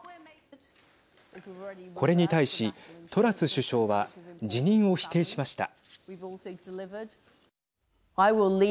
これに対しトラス首相は辞任を否定しました。